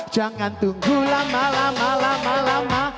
jangan tunggu lama lama lama